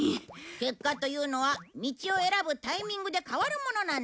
結果というのは道を選ぶタイミングで変わるものなんだよ。